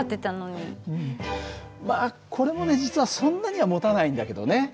まあこれもね実はそんなにはもたないんだけどね。